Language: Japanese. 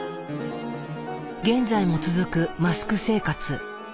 現在も続くマスク生活。